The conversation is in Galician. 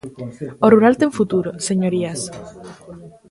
O rural ten futuro, señorías.